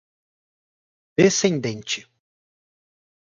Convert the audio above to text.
descendente